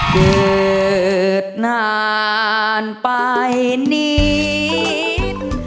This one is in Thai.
เกิดนานไปนิด